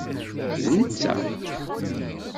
D netta.